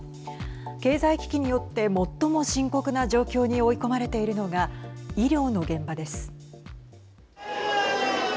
経済危機によって最も深刻な状況に追い込まれているのが医療の現場です。